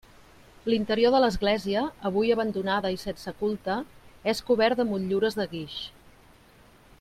L'interior de l'església, avui abandonada i sense culte, és cobert de motllures de guix.